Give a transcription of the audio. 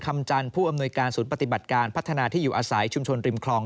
มือสุดปฏิบัติการพัฒนาที่อยู่อาศัยชุมชนริมคลอง